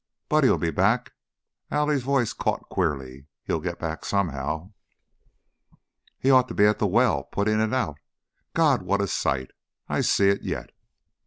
Buddy 'll be back " Allie's voice caught queerly. "He'll get back somehow." "He ought to be at the well putting it out. God! What a sight! I see it yet!"